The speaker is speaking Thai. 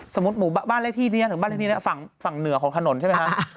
สมมุติหมู่บ้านเลขที่นี้ถึงบ้านเลขที่นี้ฝั่งเหนือของถนนใช่ไหมคะ